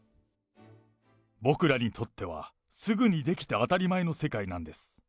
僕らにとっては、すぐにできて当たり前の世界なんです。